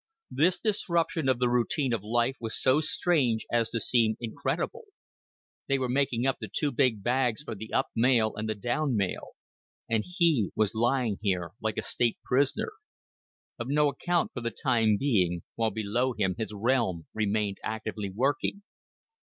This disruption of the routine of life was so strange as to seem incredible. They were making up the two big bags for the up mail and the down mail; and he was lying here like a state prisoner, of no account for the time being, while below him his realm remained actively working.